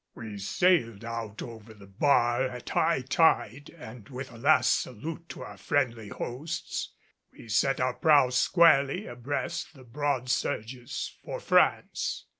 We sailed out over the bar at high tide and with a last salute to our friendly hosts we set our prow squarely abreast the broad surges, for France.